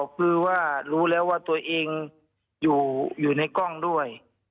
คือว่ารู้แล้วว่าตัวเองอยู่ในกล้องด้วย